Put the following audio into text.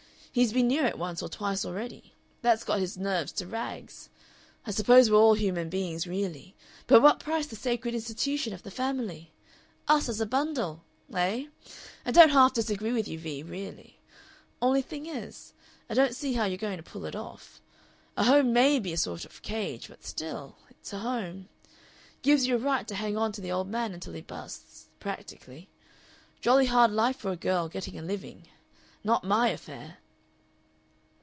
He's been near it once or twice already. That's got his nerves to rags. I suppose we're all human beings really, but what price the sacred Institution of the Family! Us as a bundle! Eh?... I don't half disagree with you, Vee, really; only thing is, I don't see how you're going to pull it off. A home MAY be a sort of cage, but still it's a home. Gives you a right to hang on to the old man until he busts practically. Jolly hard life for a girl, getting a living. Not MY affair."